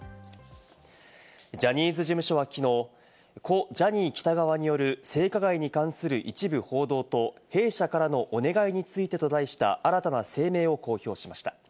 ジャニーズ事務所はきのう、故ジャニー喜多川による性加害に関する一部報道と弊社からのお願いについてと題した新たな声明を公表しました。